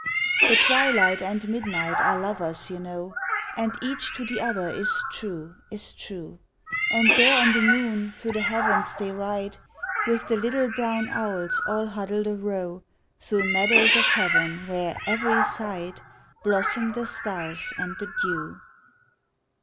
The twilight and midnight are lovers, you know, And each to the other is true, is true! And there on the moon through the heavens they ride, With the little brown owls all huddled arow, Through meadows of heaven where, every side, Blossom the stars and the dew.